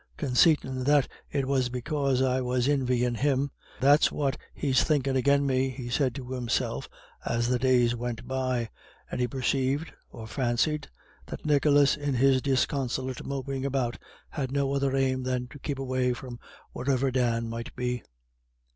"Consaitin' that it was because I was invyin' him, that's what he's thinkin' agin me," he said to himself as the days went by, and he perceived, or fancied, that Nicholas in his disconsolate moping about had no other aim than to keep away from wherever Dan might be.